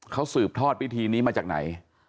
เขาสืบทอดพิธีนี้มาจากไหน